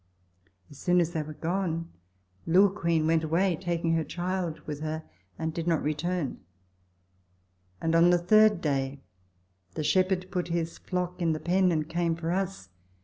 As soon as they were gone, Lewequeen went away, taking her child with her, and did not return, and on the third day the shepherd put his flock in the pen and came for us.